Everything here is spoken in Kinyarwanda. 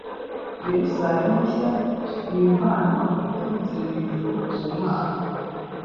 yerusalemu nshya nimpano iturutse mu ijuru ku mana